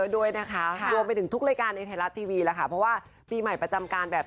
ด้วยพรนะฮะให้กับแฟนเข่าสัตว์ไข่มีความสุขมากนะครับ